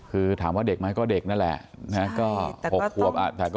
คือถามว่าเด็กมั้ยก็เด็กนั่นแหละ